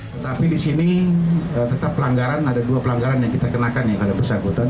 tetapi di sini tetap pelanggaran ada dua pelanggaran yang kita kenakan yang pada bersangkutan